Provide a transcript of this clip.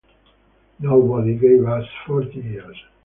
Nobody gave us forty years.